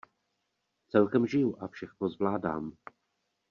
Celkem žiju a všechno zvládám.